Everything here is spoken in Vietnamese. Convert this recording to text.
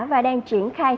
và đang triển khai